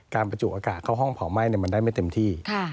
ประจุอากาศเข้าห้องเผาไหม้มันได้ไม่เต็มที่